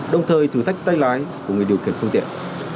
đồng thời thử thách tay lái của người điều khiển phương tiện